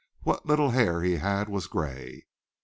What little hair he had was gray.